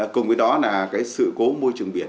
cùng với đó là sự cố môi trường biển